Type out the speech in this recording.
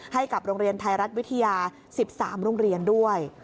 ให้กับโรงเรียนไทยรัฐวิทยา๑๓โรงเรียนด้วย